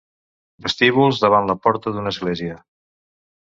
Vestíbuls davant la porta d'una església.